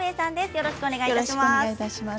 よろしくお願いします。